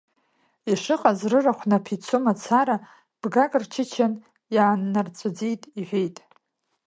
Ишыҟаз, рырахә наԥ ицо мацара, бгак рчычан, иааннарҵәаӡеит, — иҳәеит.